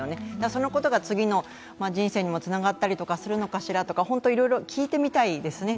そのことが次の人生にもつながったりするのかしらとか、本当にいろいろ聞いてみたいですね。